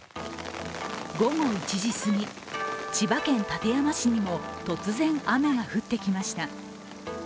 午後１時過ぎ、千葉県館山市にも突然、雨が降ってきました。